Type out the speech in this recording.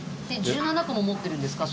１７個も持ってるんですか？